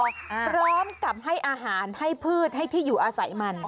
พร้อมกับให้อาหารให้พืชให้ที่อยู่อาศัยมัน